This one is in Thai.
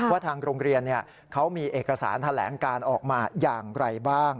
ว่าทางโรงเรียนเขามีเอกสารแถลงการออกมาอย่างไรบ้าง